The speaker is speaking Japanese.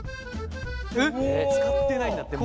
使ってないんだってもう。